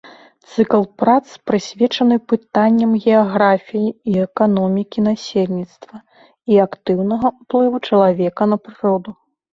Цыкл прац прысвечаны пытанням геаграфіі і эканомікі насельніцтва і актыўнага ўплыву чалавека на прыроду.